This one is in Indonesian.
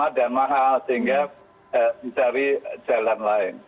terus itu kita bisa mencari jalan lain